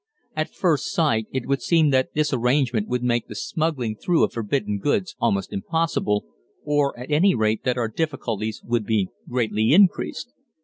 At first sight it would seem that this arrangement would make the smuggling through of forbidden goods almost impossible, or at any rate that our difficulties would be greatly increased.